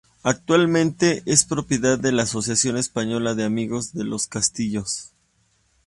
Actualmente es propiedad de la Asociación Española de Amigos de los Castillos.